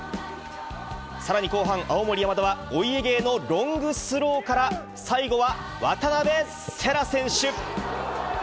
さらに後半、青森山田は、お家芸のロングスローから最後は渡邊星来選手。